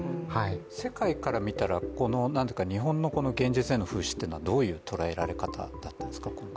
世界から見たら、日本の現実への風刺というのはどういう捉えられ方だったんですか？